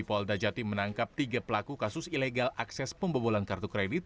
polda jati menangkap tiga pelaku kasus ilegal akses pembobolan kartu kredit